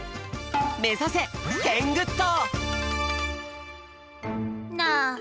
めざせテングッド！